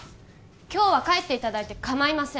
今日は帰ってもらって構いません